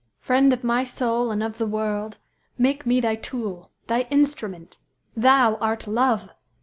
"_Friend of my soul and of the world, make me thy tool thy instrument! Thou art Love!